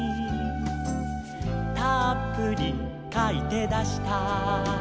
「たっぷりかいてだした」